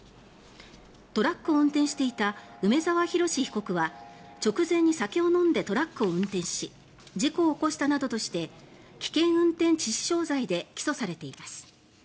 トラックを運転していた梅沢洋被告は直前に酒を飲んでトラックを運転し事故を起こしたなどとして危険運転致死傷罪で起訴されています。